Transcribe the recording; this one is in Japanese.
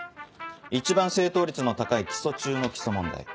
一番正答率の高い基礎中の基礎問題。